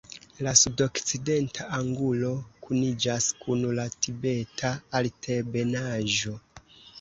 La sudokcidenta angulo kuniĝas kun la Tibeta Altebenaĵo.